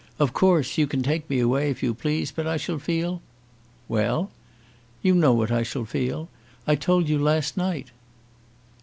Of course you can take me away, if you please, but I shall feel " "Well!" "You know what I shall feel. I told you last night."